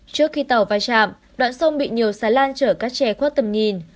trước khi tàu vai trạm đoạn sông bị nhiều xà lan trở các che khuất tầm nhìn